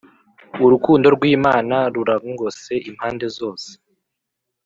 urukundo rw’imana ruragngose impande zose